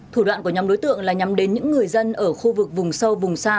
thủ đoạn của nhóm đối tượng là nhằm đến những người dân ở khu vực vùng sâu vùng xa